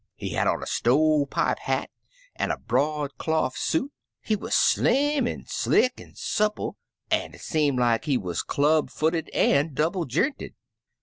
He had on a stove pipe hat an' a broadclof suit, he wuz slim an* slick an* soople, an* it seem like he wuz club footed and double j*inted.